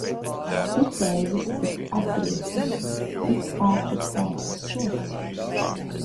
Cik reizes tik apgriezta, tik ārpuskārtas sods.